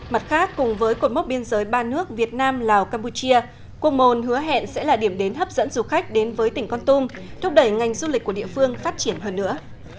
mặt khác cùng với cột mốc biên giới ba nước việt nam lào campuchia pom môn hứa hẹn sẽ là điểm đến hấp dẫn du khách đến với tỉnh con tum thúc đẩy ngành du lịch của địa phương phát triển hơn nữa